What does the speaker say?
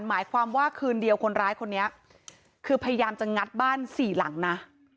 หมายความว่าคืนเดียวคนร้ายคนนี้คือพยายามจะงัดบ้านสี่หลังนะ